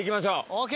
ＯＫ！